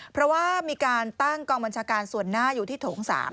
เพราะว่ามีการตั้งกองบัญชาการส่วนหน้าอยู่ที่โถง๓